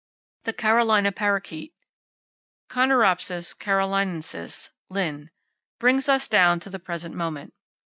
The Carolina Parrakeet, —Conuropsis carolinensis, (Linn.), brings us down to the present moment.